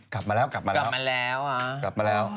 กลับมาแล้ว